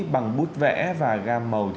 bằng bút vẽ và gam màu